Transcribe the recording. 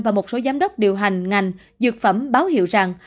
và một số giám đốc điều hành ngành dược phẩm báo hiệu rằng